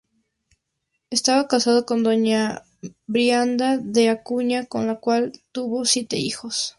Estaba casado con doña Brianda de Acuña, con la cual tuvo siete hijos.